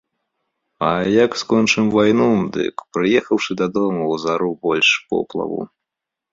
А як скончым вайну, дык, прыехаўшы дадому, узару больш поплаву.